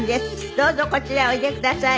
どうぞこちらへおいでください。